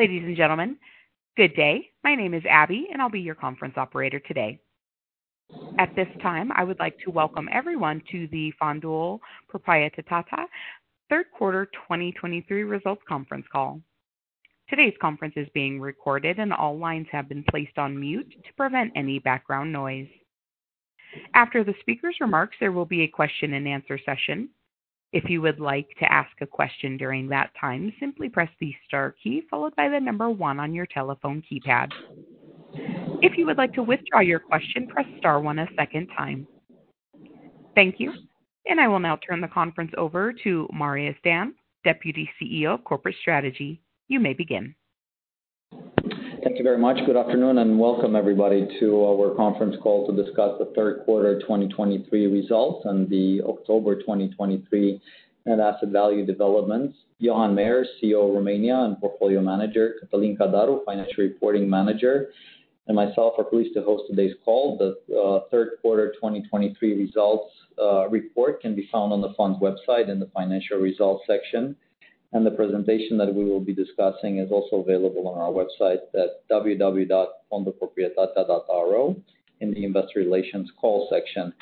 Ladies and gentlemen, good day. My name is Abby, and I'll be your conference operator today. At this time, I would like to welcome everyone to the Fondul Proprietatea third quarter 2023 results conference call. Today's conference is being recorded, and all lines have been placed on mute to prevent any background noise. After the speaker's remarks, there will be a question and answer session. If you would like to ask a question during that time, simply press the star key, followed by the number one on your telephone keypad. If you would like to withdraw your question, press star one a second time. Thank you, and I will now turn the conference over to Marius Dan, Deputy CEO of Corporate Strategy. You may begin. Thank you very much. Good afternoon, and welcome everybody to our conference call to discuss the third quarter 2023 results and the October 2023 net asset value developments. Johan Meyer, CEO, Romania and Portfolio Manager, Cătălin Cadaru, Financial Reporting Manager, and myself are pleased to host today's call. The third quarter 2023 results report can be found on the fund's website in the Financial Results section, and the presentation that we will be discussing is also available on our website at www.fondulproprietatea.ro in the Investor Relations Call section.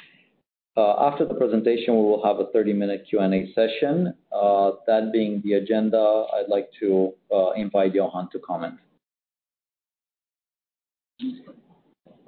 After the presentation, we will have a 30 minute Q&A session. That being the agenda, I'd like to invite Johan to comment.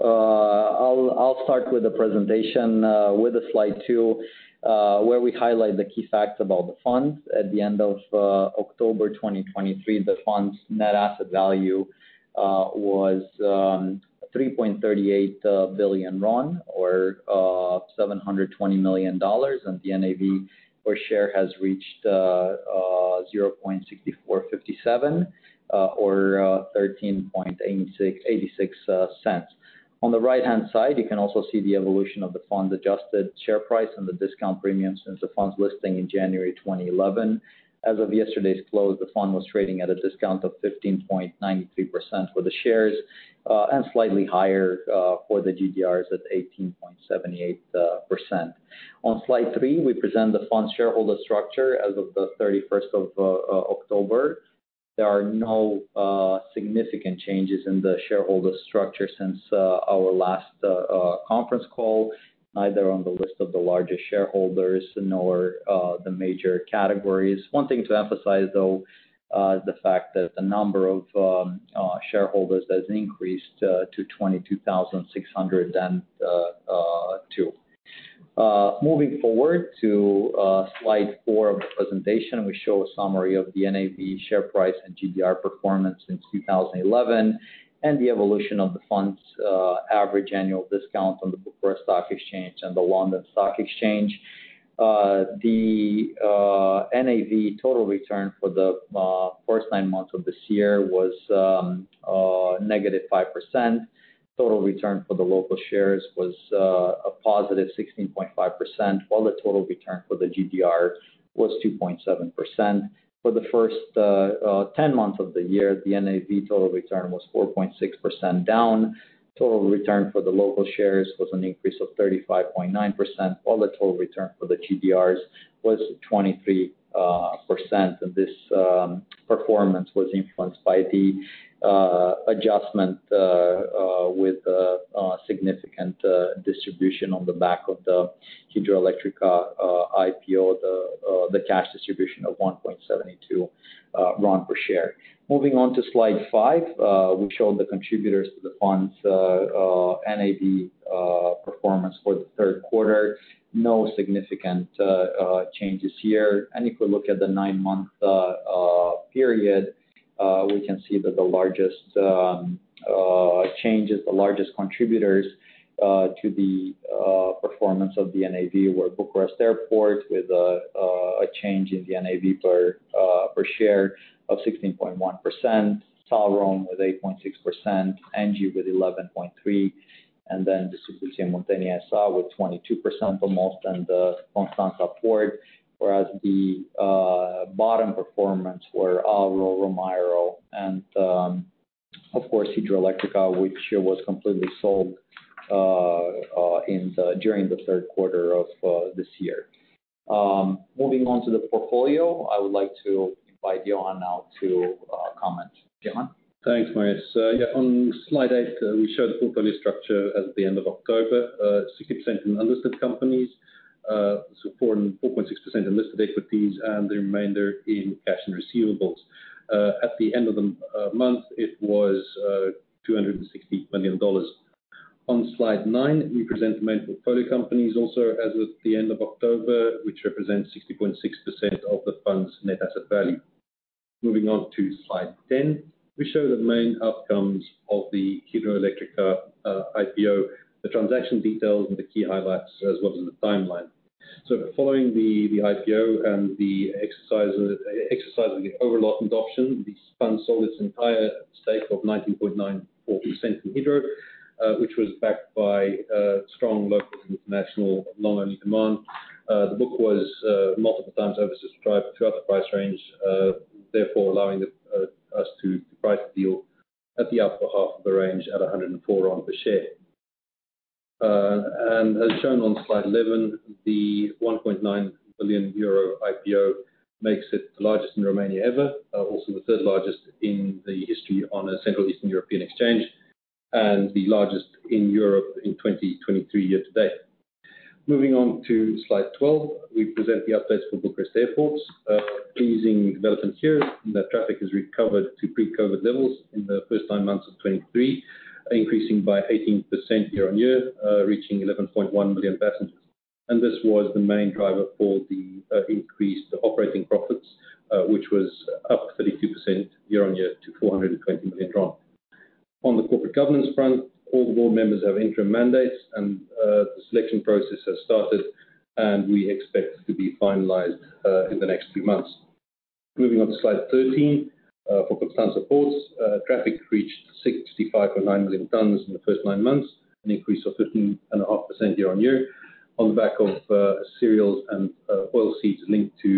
I'll start with the presentation with the slide two where we highlight the key facts about the fund. At the end of October 2023, the fund's net asset value was RON 3.38 billion or $720 million, and the NAV per share has reached RON 0.6457 or $0.138686. On the right-hand side, you can also see the evolution of the fund's adjusted share price and the discount premium since the fund's listing in January 2011. As of yesterday's close, the fund was trading at a discount of 15.92% for the shares, and slightly higher for the GDRs at 18.78%. On slide three, we present the fund's shareholder structure as of the October 31st. There are no significant changes in the shareholder structure since our last conference call, neither on the list of the largest shareholders nor the major categories. One thing to emphasize, though, is the fact that the number of shareholders has increased to 22,602. Moving forward to slide four of the presentation, we show a summary of the NAV share price and GDR performance since 2011, and the evolution of the fund's average annual discount on the Bucharest Stock Exchange and the London Stock Exchange. The NAV total return for the first nine months of this year was -5%. Total return for the local shares was a positive 16.5%, while the total return for the GDR was 2.7%. For the first ten months of the year, the NAV total return was 4.6% down. Total return for the local shares was an increase of 35.9%, while the total return for the GDRs was 23%, and this performance was influenced by the adjustment with a significant distribution on the back of the Hidroelectrica IPO, the cash distribution of RON 1.72 per share. Moving on to slide five, we showed the contributors to the fund's NAV performance for the third quarter. No significant changes here. If we look at the nine month period, we can see that the largest changes, the largest contributors to the performance of the NAV were Bucharest Airports, with a change in the NAV per per share of 16.1%, Salrom with 8.6%, Engie with 11.3%, and then Distribuție Muntenia with 22% the most than the Constanța Port. Whereas the bottom performance were Alro and Romaero, and, of course, Hidroelectrica, which was completely sold in the during the third quarter of this year. Moving on to the portfolio, I would like to invite Johan now to comment. Johan? Thanks, Marius. So, yeah, on slide eight, we show the portfolio structure as at the end of October 60% in unlisted companies, so 4% and 4.6% unlisted equities, and the remainder in cash and receivables. At the end of the month, it was $260 million. On slide nine, we present the main portfolio companies also, as of the end of October, which represents 60.6% of the fund's net asset value. Moving on to slide 10, we show the main outcomes of the Hidroelectrica IPO, the transaction details, and the key highlights, as well as the timeline. So following the IPO and the exercise, exercising the over-allotment option, the fund sold its entire stake of 19.94% in Hidro, which was backed by strong local and international long-only demand. The book was multiple times oversubscribed throughout the price range, therefore, allowing us to price the deal at the upper half of the range at RON 104 per share. ... And as shown on slide 11, the 1.9 billion euro IPO makes it the largest in Romania ever, also the third largest in the history on a Central Eastern European exchange, and the largest in Europe in 2023 year to date. Moving on to slide 12, we present the updates for Bucharest Airports. Pleasing development here, that traffic has recovered to pre-COVID levels in the first nine months of 2023, increasing by 18% year-on-year, reaching 11.1 million passengers. And this was the main driver for the increased operating profits, which was up 32% year-on-year to RON 420 million. On the corporate governance front, all the board members have interim mandates and the selection process has started, and we expect to be finalized in the next two months. Moving on to slide 13, for Constanța Ports, traffic reached 65.9 million tons in the first nine months, an increase of 15.5% year-on-year, on the back of cereals and oil seeds linked to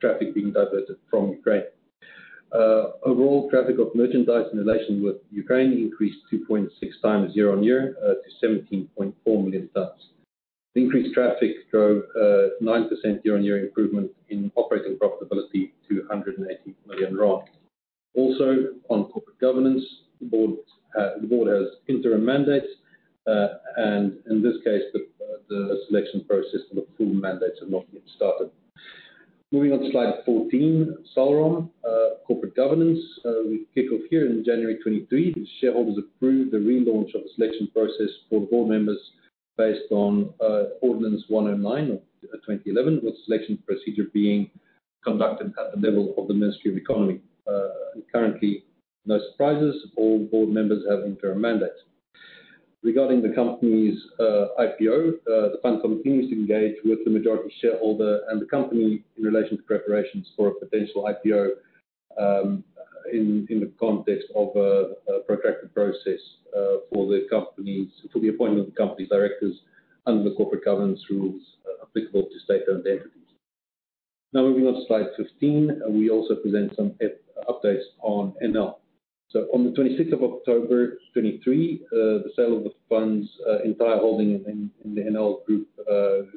traffic being diverted from Ukraine. Overall, traffic of merchandise in relation with Ukraine increased 2.6x year-on-year to 17.4 million tons. The increased traffic drove 9% year-on-year improvement in operating profitability to RON 180 million. Also, on corporate governance, the board, the board has interim mandates. And in this case, the selection process for the full mandates have not yet started. Moving on to slide 14, Salrom, corporate governance. We kick off here in January 2023, the shareholders approved the relaunch of the selection process for the board members based on Ordinance 109/2011, with selection procedure being conducted at the level of the Ministry of Economy. Currently, no surprises, all board members have interim mandates. Regarding the company's IPO, the fund continues to engage with the majority shareholder and the company in relation to preparations for a potential IPO, in the context of a protracted process for the appointment of the company's directors under the corporate governance rules applicable to state-owned entities. Now, moving on to slide 15, we also present some updates on Enel. So on the 26th of October 2023, the sale of the fund's entire holding in the Enel group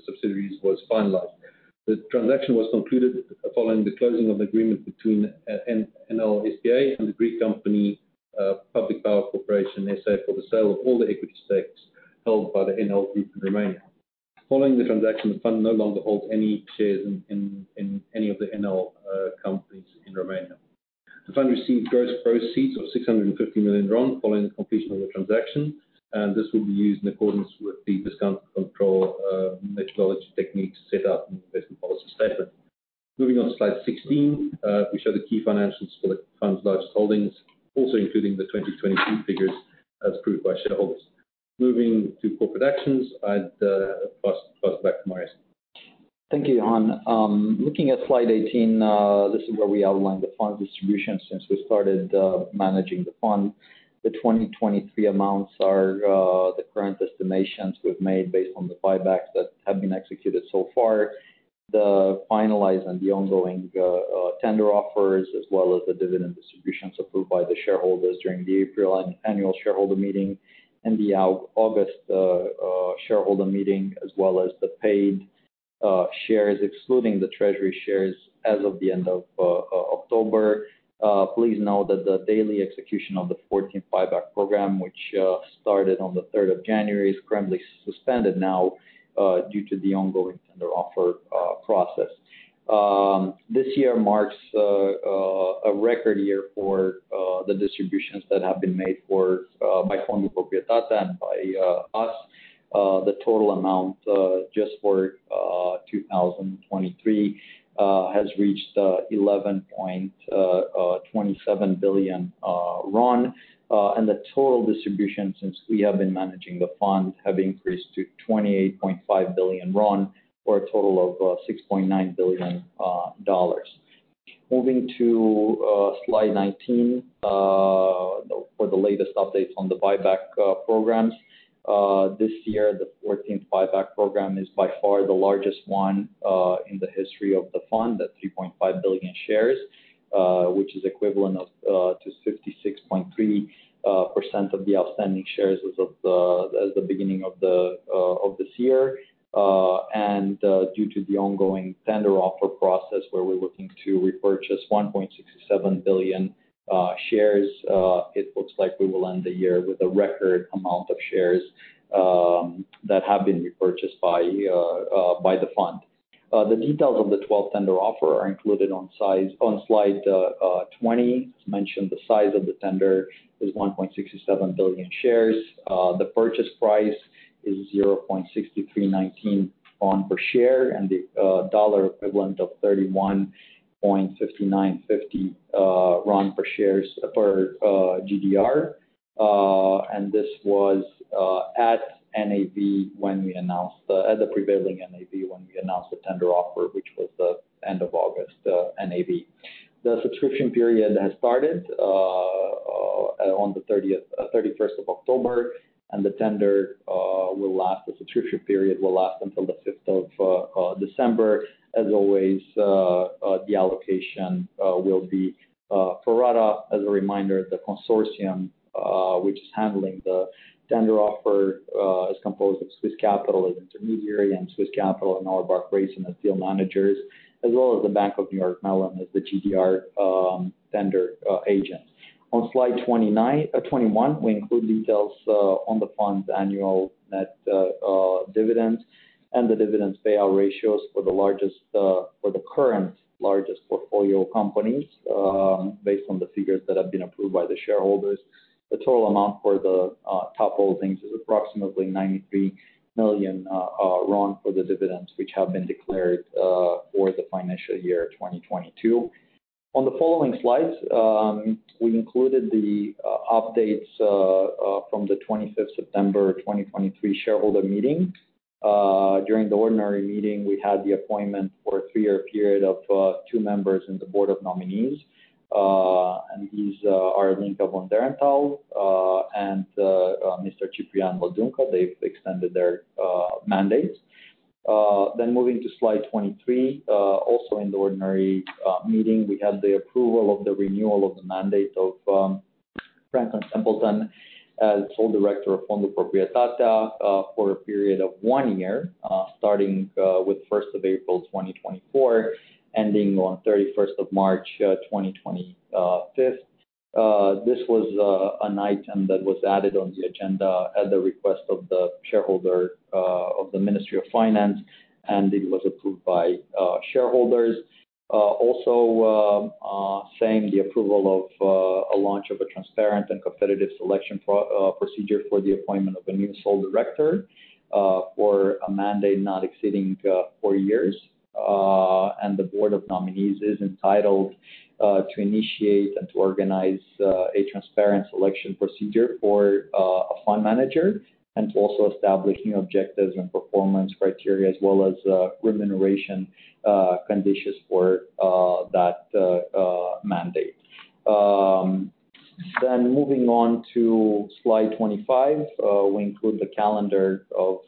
subsidiaries was finalized. The transaction was concluded following the closing of the agreement between Enel S.p.A. and the Greek company Public Power Corporation S.A. for the sale of all the equity stakes held by the Enel group in Romania. Following the transaction, the fund no longer holds any shares in any of the Enel companies in Romania. The fund received gross proceeds of RON 650 million following the completion of the transaction, and this will be used in accordance with the discount control methodology techniques set out in the investment policy statement. Moving on to slide 16, we show the key financials for the fund's largest holdings, also including the 2022 figures, as approved by shareholders. Moving to corporate actions, I'd pass back to Marius. Thank you, Johan. Looking at slide eighteen, this is where we outline the fund distribution since we started managing the fund. The 2023 amounts are the current estimations we've made based on the buybacks that have been executed so far, the finalized and the ongoing tender offers, as well as the dividend distributions approved by the shareholders during the April annual shareholder meeting and the August shareholder meeting, as well as the paid shares, excluding the treasury shares as of the end of October. Please note that the daily execution of the fourteenth buyback program, which started on the third of January, is currently suspended now due to the ongoing tender offer process. This year marks a record year for the distributions that have been made by Fondul Proprietatea and by us. The total amount just for 2023 has reached RON 11.27 billion. And the total distribution since we have been managing the fund have increased to RON 28.5 billion, for a total of $6.9 billion. Moving to slide 19 for the latest updates on the buyback programs. This year, the 14th buyback program is by far the largest one in the history of the fund, at 3.5 billion shares, which is equivalent to 56.3% of the outstanding shares as of the beginning of this year. Due to the ongoing tender offer process, where we're looking to repurchase 1.67 billion shares, it looks like we will end the year with a record amount of shares that have been repurchased by the fund. The details of the twelfth tender offer are included on slide 20. As mentioned, the size of the tender is 1.67 billion shares. The purchase price is RON 0.6319 per share, and the dollar equivalent of RON 31.5950 per shares per GDR. This was at the prevailing NAV when we announced the tender offer, which was end of August NAV. The subscription period has started on the October 31st, and the subscription period will last until the December 5th. As always, the allocation will be pro rata. As a reminder, the consortium which is handling the tender offer is composed of Swiss Capital as intermediary and Auerbach Grayson as deal managers, as well as the Bank of New York Mellon as the GDR tender agent. On slide 21, we include details on the fund's annual net dividends and the dividends payout ratios for the current largest portfolio companies based on the figures that have been approved by the shareholders. The total amount for the top holdings is approximately RON 93 million for the dividends which have been declared for the financial year 2022. On the following slides, we included the updates from the September 25th, 2023 shareholder meeting. During the ordinary meeting, we had the appointment for a three year period of two members in the Board of Nominees. And these are Ilinca von Derenthall and Mr. Ciprian Lăduncă. They've extended their mandates. Then moving to slide 23, also in the ordinary meeting, we had the approval of the renewal of the mandate of Franklin Templeton as sole director of Fondul Proprietatea for a period of one year starting with first of April 2024, ending on March 31st, 2025. This was an item that was added on the agenda at the request of the shareholder of the Ministry of Finance, and it was approved by shareholders. Also, saying the approval of a launch of a transparent and competitive selection procedure for the appointment of a new Sole Director for a mandate not exceeding four years. And the Board of Nominees is entitled to initiate and to organize a transparent selection procedure for a fund manager, and to also establishing objectives and performance criteria, as well as remuneration conditions for that mandate. Then moving on to slide 25, we include the calendar of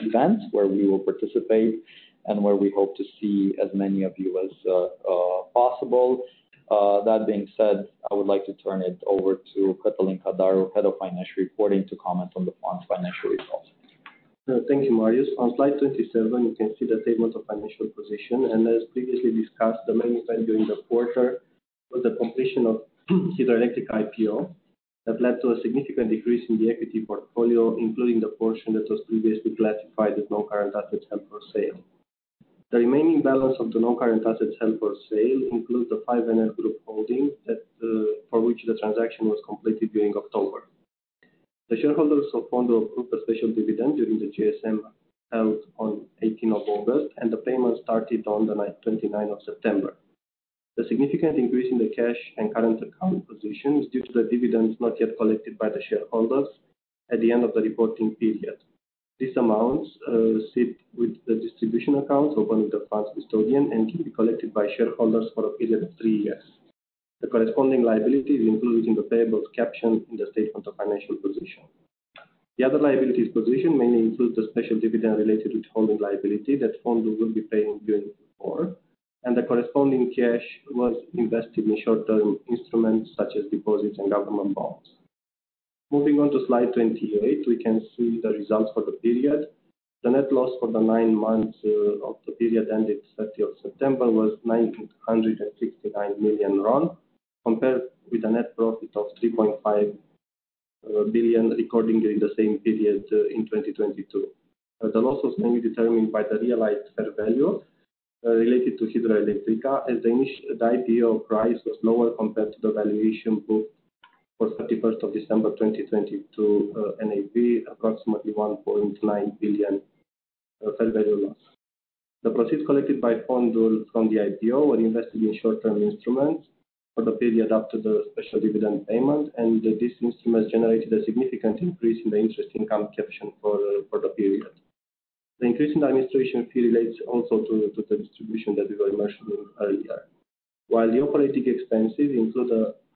events where we will participate and where we hope to see as many of you as possible. That being said, I would like to turn it over to Cătălin Cadaru, Head of Financial Reporting, to comment on the fund's financial results. Thank you, Marius. On slide 27, you can see the statements of financial position, and as previously discussed, the main event during the quarter was the completion of Hidroelectrica IPO. That led to a significant decrease in the equity portfolio, including the portion that was previously classified as non-current assets held for sale. The remaining balance of the non-current assets held for sale includes the five energy group holdings that, for which the transaction was completed during October. The shareholders of Fondul approved a special dividend during the GSM held on 18th of August, and the payment started on the 9th to 29th of September. The significant increase in the cash and current account position is due to the dividends not yet collected by the shareholders at the end of the reporting period. These amounts sit with the distribution accounts opened with the funds custodian and can be collected by shareholders for a period of three years. The corresponding liability is included in the payables caption in the statement of financial position. The other liabilities position mainly includes the special dividend related to holding liability that Fondul will be paying during Q4, and the corresponding cash was invested in short-term instruments such as deposits and government bonds. Moving on to slide 28, we can see the results for the period. The net loss for the 9 months of the period ended September 30 was RON 969 million, compared with a net profit of RON 3.5 billion, recording during the same period in 2022. The loss was mainly determined by the realized fair value related to Hidroelectrica, as the IPO price was lower compared to the valuation book for December 31st, 2022, NAV, approximately RON 1.9 billion fair value loss. The proceeds collected by Fondul from the IPO were invested in short-term instruments for the period up to the special dividend payment, and these instruments generated a significant increase in the interest income caption for the period. The increase in the administration fee relates also to the distribution that we were mentioning earlier. While the operating expenses include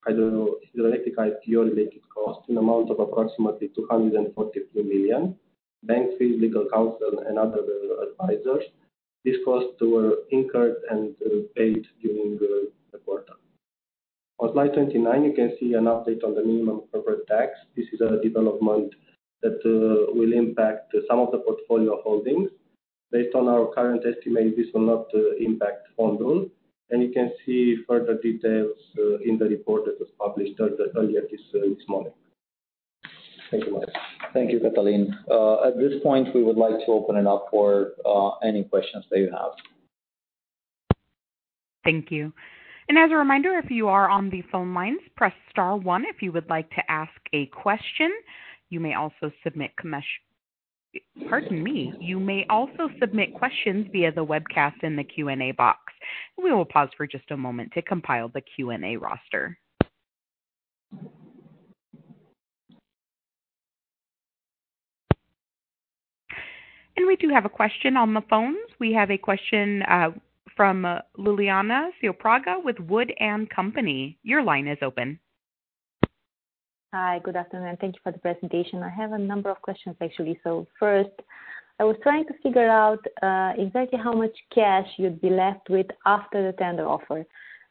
the Hidroelectrica IPO-related costs, an amount of approximately RON 243 million, bank fees, legal counsel, and other advisors, these costs were incurred and paid during the quarter. On slide 29, you can see an update on the minimum corporate tax. This is a development that will impact some of the portfolio holdings. Based on our current estimate, this will not impact Fondul, and you can see further details in the report that was published earlier this morning. Thank you much. Thank you, Cătălin. At this point, we would like to open it up for any questions that you have. Thank you. As a reminder, if you are on the phone lines, press star one if you would like to ask a question. You may also submit questions via the webcast in the Q&A box. We will pause for just a moment to compile the Q&A roster. We do have a question on the phone. We have a question from Iuliana Ciopragă with Wood & Company. Your line is open. Hi, good afternoon. Thank you for the presentation. I have a number of questions, actually. So first, I was trying to figure out exactly how much cash you'd be left with after the tender offer.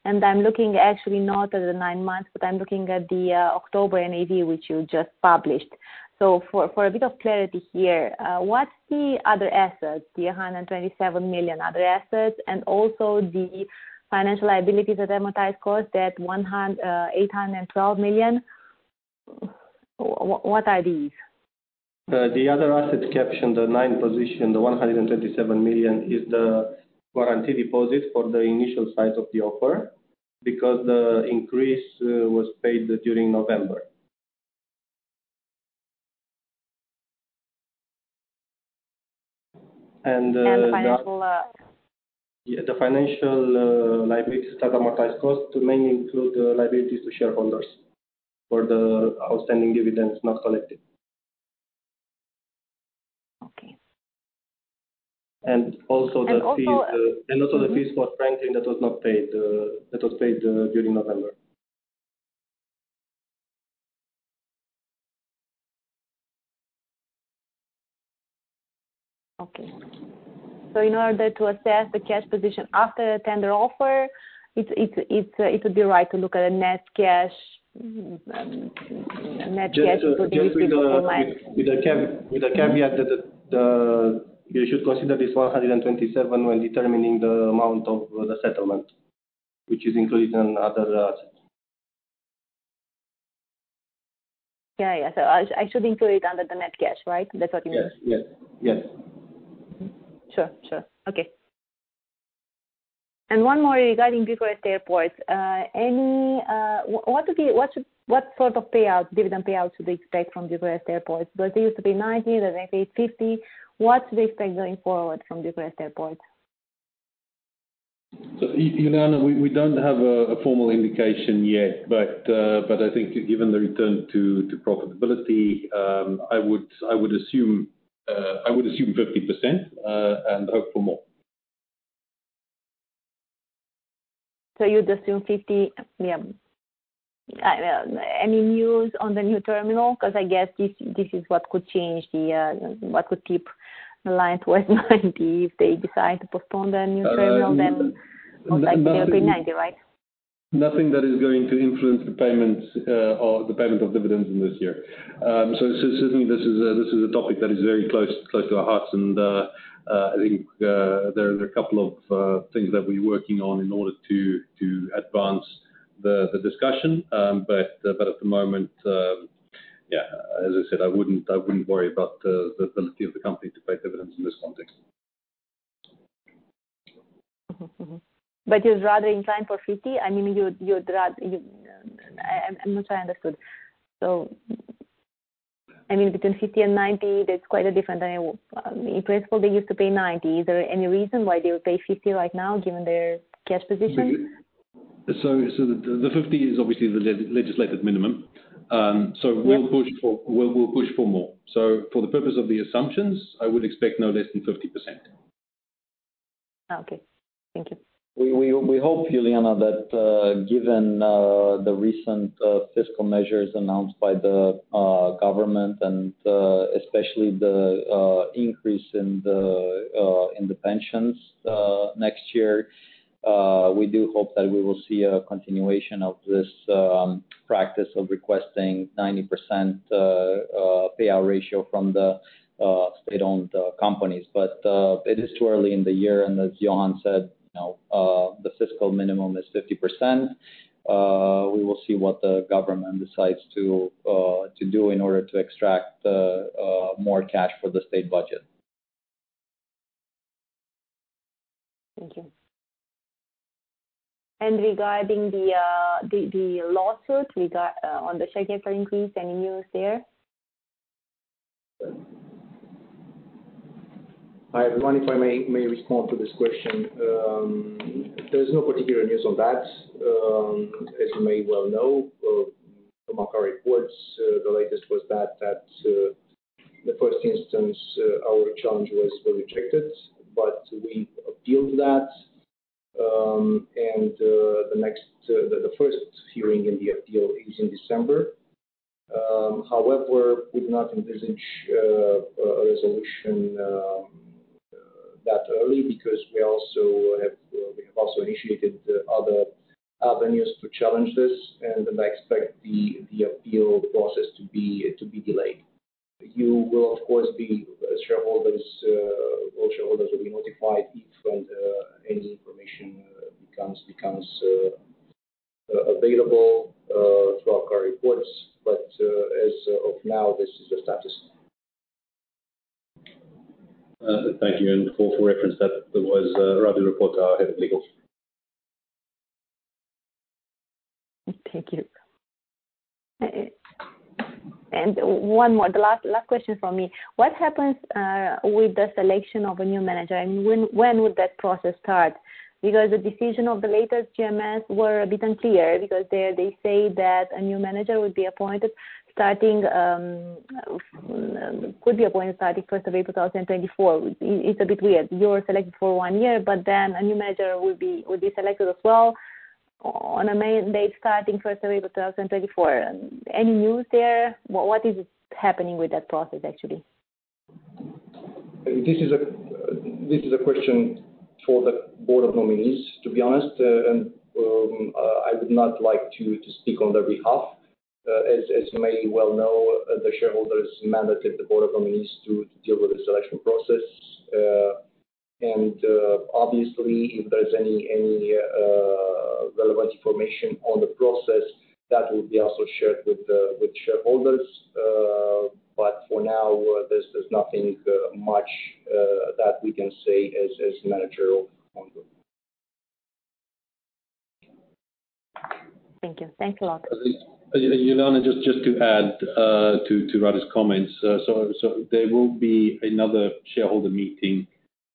And I'm looking actually not at the nine months, but I'm looking at the October NAV, which you just published. So for a bit of clarity here, what's the other assets, the RON 127 million other assets, and also the financial liabilities, amortized cost, that RON 812 million. What are these? The other assets captioned, the nine position, the RON 127 million, is the warranty deposit for the initial size of the offer, because the increase was paid during November. And the financial, Yeah, the financial liabilities at amortized cost to mainly include liabilities to shareholders for the outstanding dividends not collected. Okay. Also the fees- And also- And also the fees for Franklin that was not paid, that was paid during November. Okay. So in order to assess the cash position after the tender offer, it would be right to look at the net cash, net cash including- With the caveat that the... You should consider this 127 when determining the amount of the settlement, which is included in other assets. Yeah. Yeah. So I should include under the net cash, right? That's what you mean. Yes. Yes. Yes. Sure. Sure. Okay. And one more regarding Bucharest Airport. What sort of payout, dividend payout should we expect from Bucharest Airport? Because they used to be 90, then they paid 50. What should we expect going forward from Bucharest Airport? So, Liliana, we don't have a formal indication yet, but I think given the return to profitability, I would assume 50% and hope for more. So you'd assume 50, yeah. Any news on the new terminal? Because I guess this, this is what could change the, what could tip the line towards 90. If they decide to postpone the new terminal, then most likely it'll be 90, right? Nothing that is going to influence the payments, or the payment of dividends in this year. So certainly this is a topic that is very close to our hearts. And I think there are a couple of things that we're working on in order to advance the discussion. But at the moment, yeah, as I said, I wouldn't worry about the ability of the company to pay dividends in this context. Mm-hmm. Mm-hmm. But you're rather inclined for 50. I mean, you, you'd rather... I'm not sure I understood. So, I mean, between 50 and 90, there's quite a difference. In principle, they used to pay 90. Is there any reason why they would pay 50 right now, given their cash position? So the 50 is obviously the legislated minimum. So we'll push for more. So for the purpose of the assumptions, I would expect no less than 50%. Okay. Thank you. We hope, Liliana, that, given the recent fiscal measures announced by the government and, especially the increase in the pensions next year, we do hope that we will see a continuation of this practice of requesting 90% payout ratio from the state-owned companies. But it is too early in the year, and as Johan said, you know, the fiscal minimum is 50%. We will see what the government decides to do in order to extract more cash for the state budget. Thank you. And regarding the lawsuit regarding the share increase, any news there? Hi, everyone. If I may respond to this question. There's no particular news on that. As you may well know, from our reports, the latest was that the first instance, our challenge was rejected, but we appealed that. The first hearing in the appeal is in December. However, we do not envisage a resolution that early, because we have also initiated other avenues to challenge this, and I expect the appeal process to be delayed. You will, of course, be shareholders; all shareholders will be notified if when any information becomes available through our current reports. But as of now, this is the status. Thank you. For reference, that was Radu Ropotă, our Head of Legal.... Thank you. And one more, the last question from me. What happens with the selection of a new manager, and when would that process start? Because the decision of the latest GMs were a bit unclear, because they say that a new manager would be appointed starting, could be appointed starting first of April 2024. It's a bit weird. You're selected for 1 year, but then a new manager will be selected as well on a main date starting first of April 2024. Any news there? What is happening with that process, actually? This is a question for the Board of Nominees, to be honest. And I would not like to speak on their behalf. As you may well know, the shareholders mandated the Board of Nominees to deal with the selection process. And obviously, if there's any relevant information on the process, that will also be shared with the shareholders. But for now, there's nothing much that we can say as managerial on them. Thank you. Thanks a lot. Iuliana, just to add to Radu's comments. There will be another shareholder meeting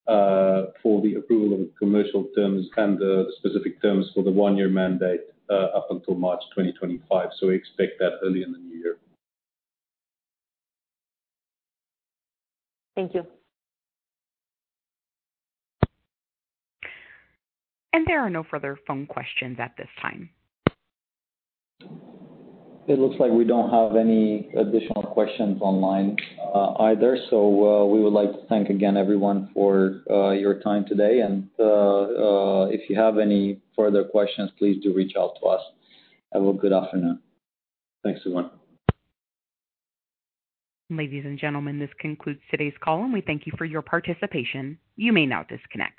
for the approval of commercial terms and the specific terms for the one-year mandate up until March 2025, so we expect that early in the new year. Thank you. There are no further phone questions at this time. It looks like we don't have any additional questions online either, so we would like to thank again everyone for your time today. If you have any further questions, please do reach out to us. Have a good afternoon. Thanks, everyone. Ladies and gentlemen, this concludes today's call, and we thank you for your participation. You may now disconnect.